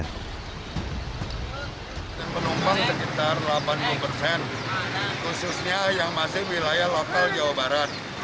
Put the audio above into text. penumpang sekitar delapan puluh persen khususnya yang masih wilayah lokal jawa barat